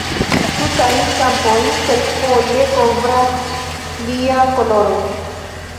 Tutajn kampojn kelkfoje kovras ilia koloro.